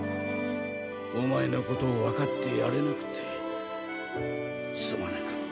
おまえのことをわかってやれなくてすまなかった。